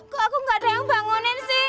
kok aku gak ada yang bangunin sih